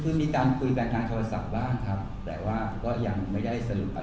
คือมีการคุยกันทางโทรศัพท์บ้างครับแต่ว่าก็ยังไม่ได้สรุปอะไร